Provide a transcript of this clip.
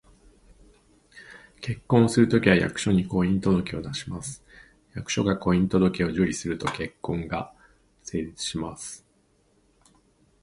結婚をするときは、役所に「婚姻届」を出します。役所が「婚姻届」を受理すると、結婚が成立します